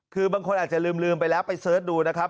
คือบางคนอาจจะลืมไปแล้วไปเสิร์ชดูนะครับ